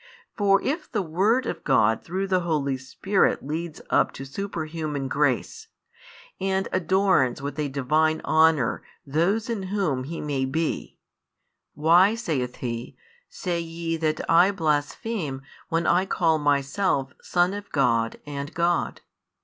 For if the Word of God through the Holy Spirit leads up to superhuman grace, and adorns with a Divine honour those in whom He may be, Why, saith He, say ye that I blaspheme when I call Myself Son of God and God?